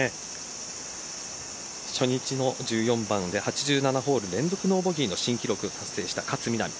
初日の１４番で８７ホール連続ノーボギーの新記録達成した勝みなみ。